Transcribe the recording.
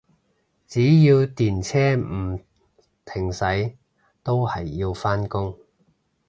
只要電車唔停駛，都係要返工